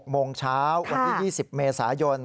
โมงเช้าวันที่๒๐เมษายน